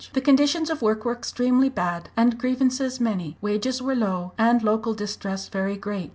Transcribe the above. The conditions of work were extremely bad, and grievances many; wages were low, and local distress very great.